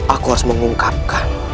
aku harus mengungkapkan